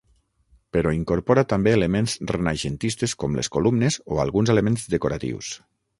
Però incorpora també elements renaixentistes com les columnes o alguns elements decoratius.